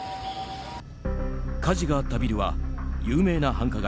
火事があったビルは有名な繁華街